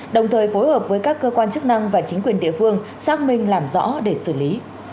đồng thời phối hợp với các cơ quan chức năng và chính quyền địa phương xác minh làm rõ để xử lý